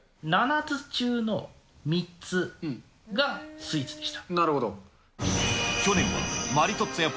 ７つ中の３つがスイーツでし